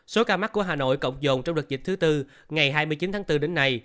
số ca mắc của hà nội cộng dồn trong đợt dịch thứ tư ngày hai mươi chín tháng bốn đến nay